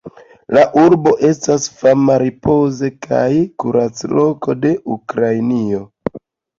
La urbo estas fama ripoz- kaj kurac-loko de Ukrainio.